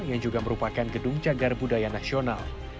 yang juga merupakan gedung cagar budaya nasional